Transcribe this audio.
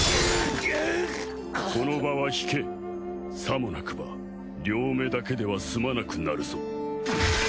この場は引けさもなくば両目だけでは済まなくなるぞ。